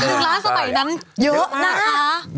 หนึ่งล้านสมัยนั้นเยอะนะคะ